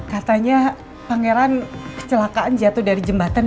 katanya pangeran kecelakaan jatuh dari jembatan